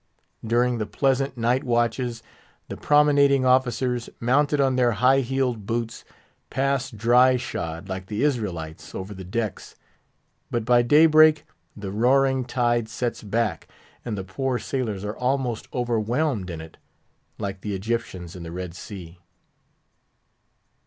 During the pleasant night watches, the promenading officers, mounted on their high heeled boots, pass dry shod, like the Israelites, over the decks; but by daybreak the roaring tide sets back, and the poor sailors are almost overwhelmed in it, like the Egyptians in the Red Sea.